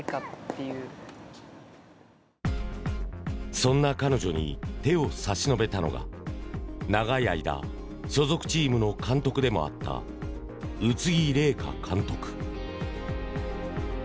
そんな彼女に手を差し伸べたのが長い間所属チームの監督でもあった宇津木麗華監督。